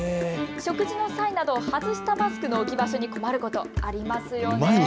食事の際など外したマスクの置き場所に困ること、ありますよね。